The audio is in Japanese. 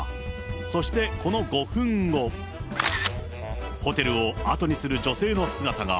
そしてこの５分後、ホテルを後にする女性の姿が。